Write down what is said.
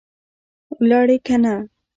ولاړې که نه؟